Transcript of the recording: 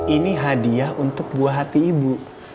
ini hadiah untuk buah hati ibu